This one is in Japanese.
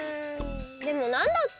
でもなんだっけ？